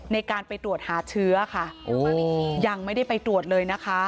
ในการไปตรวจหาเชื้อค่ะยังไม่ได้ไปตรวจเลยนะคะ